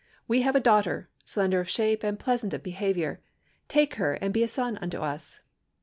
We have a daughter, slender of shape and pleasant of behaviour. Take her, and be a son unto us!'